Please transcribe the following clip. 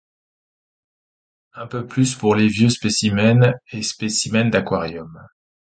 Un peu plus pour les vieux spécimens et spécimens d'aquarium.